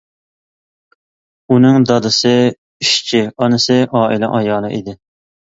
ئۇنىڭ دادىسى ئىشچى ئانىسى ئائىلە ئايالى ئىدى.